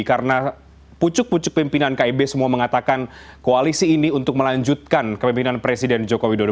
karena pucuk pucuk pimpinan kib semua mengatakan koalisi ini untuk melanjutkan kepimpinan presiden jokowi dulu